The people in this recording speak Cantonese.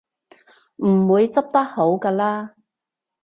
唔會執得好嘅喇